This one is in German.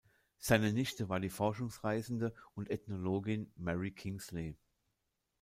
Seine Nichte war die Forschungsreisende und Ethnologin Mary Kingsley.